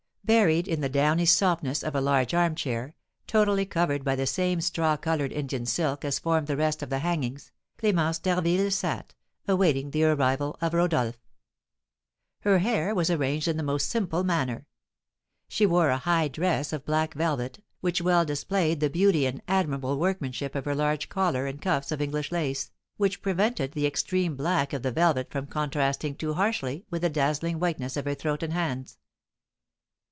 Buried in the downy softness of a large armchair, totally covered by the same straw coloured Indian silk as formed the rest of the hangings, Clémence d'Harville sat, awaiting the arrival of Rodolph. Her hair was arranged in the most simple manner. She wore a high dress of black velvet, which well displayed the beauty and admirable workmanship of her large collar and cuffs of English lace, which prevented the extreme black of the velvet from contrasting too harshly with the dazzling whiteness of her throat and hands.